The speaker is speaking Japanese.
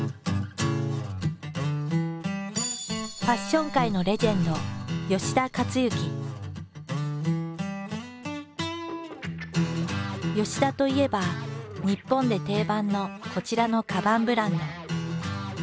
ファッション界のレジェンド田といえば日本で定番のこちらのカバンブランド。